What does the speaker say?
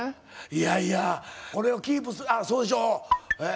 いやいやこれをキープするそうでしょ？